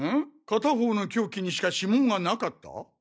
片方の凶器にしか指紋がなかった？